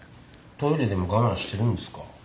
トイレでも我慢してるんですか？